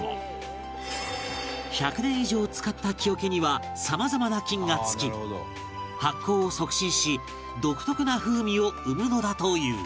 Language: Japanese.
１００年以上使った木桶には様々な菌がつき発酵を促進し独特な風味を生むのだという